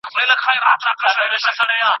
بستره بې پاکۍ نه وي.